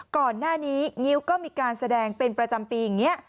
ก่อนหน้านี้งิ้วก็มีการแสดงเป็นประจำปีอย่างนี้